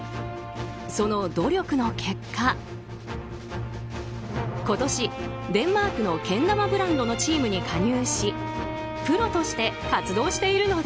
その努力の結果今年、デンマークのけん玉ブランドのチームに加入しプロとして活動しているのだ。